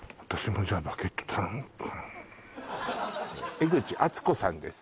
江口敦子さんです